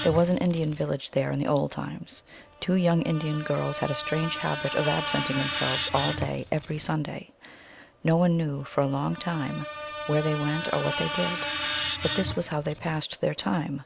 There was an Indian village there in the old times. Two young Indian girls had a strange habit of absenting themselves all day every Sunday. No one knew for a long time where they went or what they did. But this was how they passed their time.